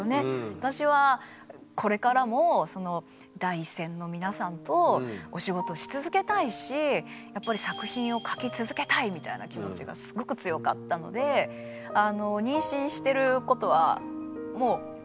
私はこれからもその第一線の皆さんとお仕事し続けたいしやっぱり作品を書き続けたいみたいな気持ちがすごく強かったのでそうです。